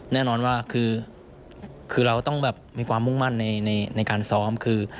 แน่นอนว่าคือเราต้องแบบมีความมุ่งมั่นในการซ้อมคือ